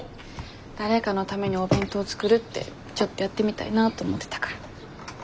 誰かのためにお弁当作るってちょっとやってみたいなと思ってたから。